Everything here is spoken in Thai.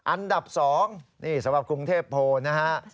อันดับ๒นี่สำหรับกรุงเทพโพลนะฮะ